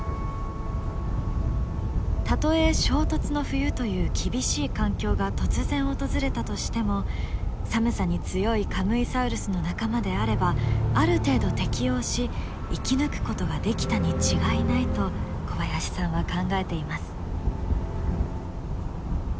たとえ衝突の冬という厳しい環境が突然訪れたとしても寒さに強いカムイサウルスの仲間であればある程度適応し生き抜くことができたに違いないと小林さんは考えています。